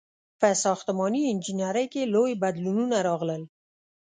• په ساختماني انجینرۍ کې لوی بدلونونه راغلل.